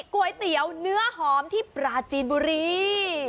ก๋วยเตี๋ยวเนื้อหอมที่ปราจีนบุรี